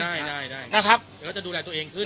ใช่นะครับเดี๋ยวเราจะดูแลตัวเองขึ้น